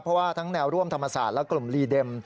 เพราะว่าทั้งแนวร่วมธรรมศาสตร์และกลุ่มลีเด็ม